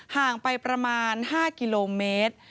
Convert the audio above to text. ห่างไปประมาณ๕กิโลเมตร